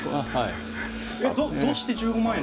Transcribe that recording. どうして１５万円。